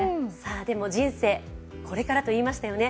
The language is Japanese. でも人生これからと言いましたよね。